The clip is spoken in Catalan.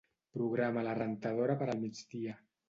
Programa la rentadora per al migdia.